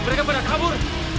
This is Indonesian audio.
mereka pada kabur